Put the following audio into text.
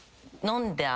「飲んでゃ」